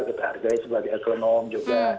kita hargai sebagai ekonom juga